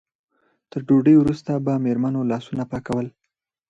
تر ډوډۍ وروسته به مېرمنو لاسونه پاکول.